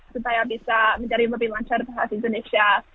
supaya bisa menjadi lebih lancar bahasa indonesia